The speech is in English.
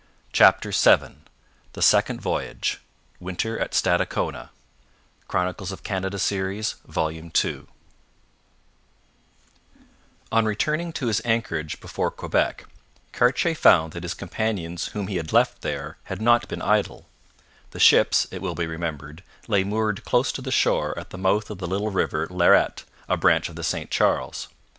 CHAPTER VII THE SECOND VOYAGE WINTER AT STADACONA On returning to his anchorage before Quebec, Cartier found that his companions whom he had left there had not been idle. The ships, it will be remembered, lay moored close to the shore at the mouth of the little river Lairet, a branch of the St Charles.